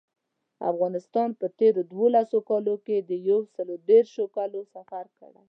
افغانستان په تېرو دولسو کالو کې د یو سل او شلو کالو سفر کړی.